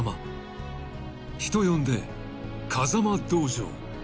［人呼んで「風間道場」］